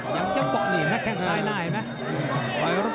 ยังจังบอกนี่นะแค่ข้างซ้ายหน้าเห็นไหม